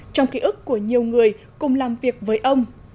trong ký ức của nhiều người cùng làm việc với ông